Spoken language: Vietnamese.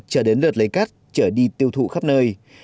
trở đến đợt lấy cát trở đi tiêu thụ khắp nơi